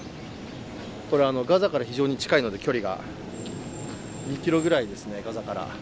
これガザから非常に近いので、距離が２ｋｍぐらいですね、ガザから。